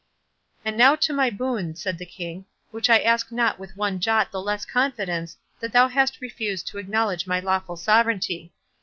"And now to my boon," said the King, "which I ask not with one jot the less confidence, that thou hast refused to acknowledge my lawful sovereignty.